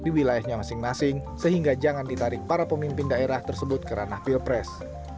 di wilayahnya masing masing sehingga jangan ditarik para pemimpin daerah tersebut ke ranah pilpres